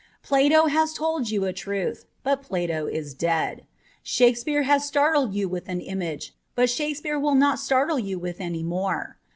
Plato has told you a truth ; but Plato is dead. Shakespeare has startled you with an image ; but Shakespeare will not startle you with any more.